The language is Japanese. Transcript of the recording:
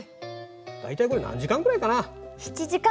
大体これ何時間くらいかな？